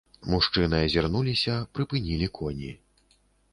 Мужчыны азірнуліся, прыпынілі коні.